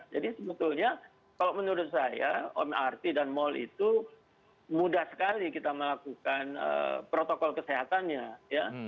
jadi sebetulnya kalau menurut saya mrt dan mall itu mudah sekali kita melakukan protokol kesehatannya ya